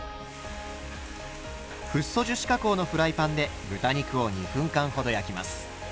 フッ素樹脂加工のフライパンで豚肉を２分間ほど焼きます。